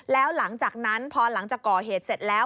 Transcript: แล้วหลังจากนั้นพอหลังจากก่อเหตุเสร็จแล้ว